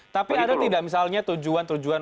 tapi ada tidak misalnya tujuan tujuan